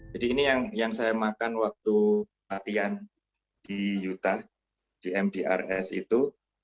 jadi ini yang saya makan waktu latihan di utah di mdrs itu